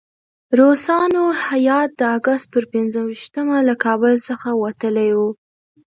روسانو هیات د اګست پر پنځه ویشتمه له کابل څخه وتلی وو.